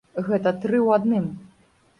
Гэта тры ў адным.